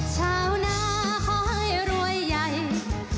ชาวนาขอให้รวยใหญ่